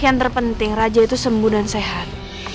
yang terpenting raja itu sembuh dan sehat